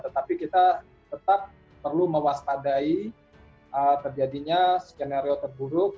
tetapi kita tetap perlu mewaspadai terjadinya skenario terburuk